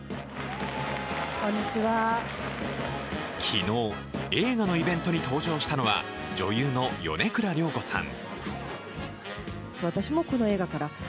昨日、映画のイベントに登場したのは女優の米倉涼子さん。